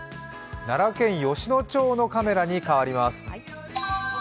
奈良県吉野町のカメラに変わります。